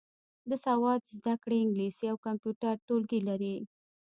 د سواد زده کړې انګلیسي او کمپیوټر ټولګي لري.